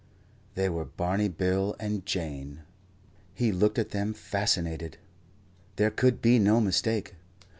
They were Barney Bill and Jane. He looked at them fascinated. There could be no mistake.